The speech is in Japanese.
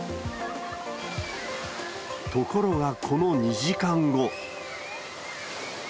ところが、この２時間後。